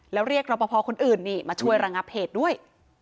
แล้วเรียกรอบพอพอคนอื่นนี่มาช่วยรังงาเพจด้วย